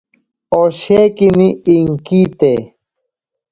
Oshekini inkite.